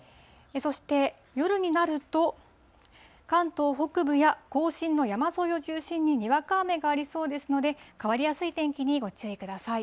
そして、夜になると関東北部や甲信の山沿いを中心ににわか雨がありそうですので、変わりやすい天気にご注意ください。